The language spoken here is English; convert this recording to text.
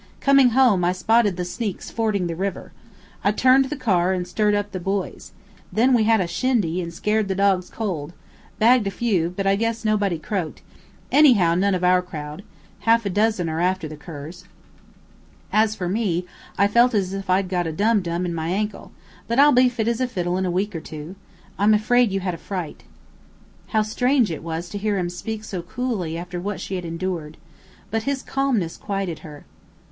Coming home I spotted the sneaks fording the river. I turned the car, and stirred up the boys. Then we had a shindy, and scared the dogs cold bagged a few, but I guess nobody croaked anyhow, none of our crowd. Half a dozen are after the curs. "As for me, I feel as if I'd got a dum dum in my ankle, but I'll be fit as a fiddle in a week or two. I'm afraid you had a fright." How strange it was to hear him speak so coolly after what she had endured! But his calmness quieted her. "Mr.